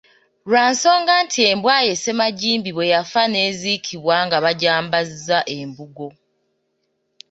Lwa nsonga nti embwa ye ssemajimbi bwe yafa n'eziikibwa nga bagyambazza embugo.